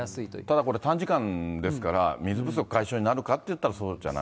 ただこれ、短時間ですから、水不足解消になるかっていったらそうじゃない。